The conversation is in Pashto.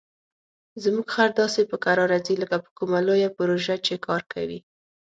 زموږ خر داسې په کراره ځي لکه په کومه لویه پروژه چې کار کوي.